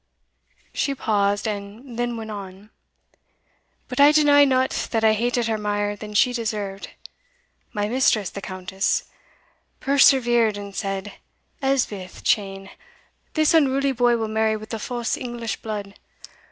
She paused, and then went on "But I deny not that I hated her mair than she deserved. My mistress, the Countess, persevered and said, Elspeth Cheyne, this unruly boy will marry with the false English blood.